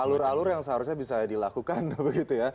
alur alur yang seharusnya bisa dilakukan begitu ya